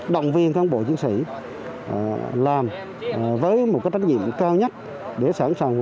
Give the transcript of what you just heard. động viên cán bộ chiến sĩ làm với một trách nhiệm cao nhất để sẵn sàng hợp vụ nhân dân